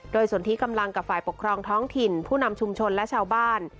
โดยส่วนที่กำลังกับฝ่ายปกครองท้องถิ่นผู้นำชุมชนและชาวบ้าน